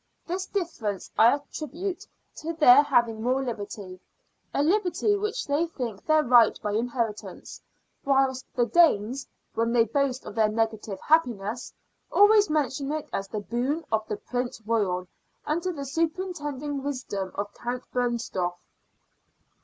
This difference I attribute to their having more liberty a liberty which they think their right by inheritance, whilst the Danes, when they boast of their negative happiness, always mention it as the boon of the Prince Royal, under the superintending wisdom of Count Bernstorff.